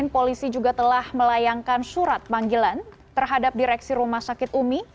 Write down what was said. polisi juga telah melayangkan surat panggilan terhadap direksi rumah sakit umi